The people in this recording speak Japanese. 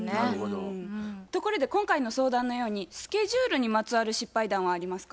ところで今回の相談のようにスケジュールにまつわる失敗談はありますか？